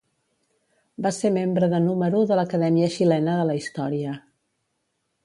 Va ser membre de número de l'Acadèmia Xilena de la Història.